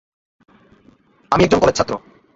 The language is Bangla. আমি একজন কলেজ ছাত্র।